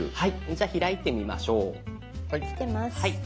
じゃあ開いてみましょう。来てます。